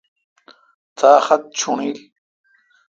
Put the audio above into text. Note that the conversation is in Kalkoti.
تا خط چوݨڈیل۔